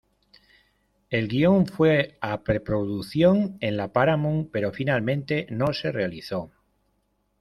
El guion fue a preproducción en la Paramount pero finalmente no se realizó.